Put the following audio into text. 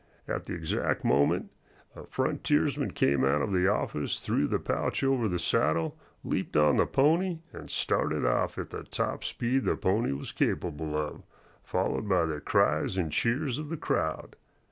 At the exact moment a frontiersman came out of the office, threw the pouch over the saddle, leaped on the pony, and started off at the top speed the pony was capable of, followed by the cries and cheers of the crowd.